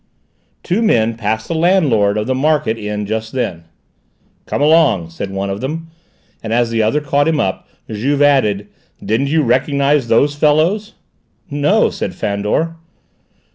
Two men passed the landlord of the market inn just then. "Come along," said one of them, and as the other caught him up, Juve added: "Didn't you recognise those fellows?" "No," said Fandor.